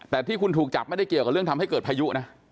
แต่ที่คุณถูกจับไม่ได้เกี่ยวกับเรื่องทำให้เกิดพายุนะ